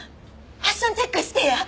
ファッションチェックしてや。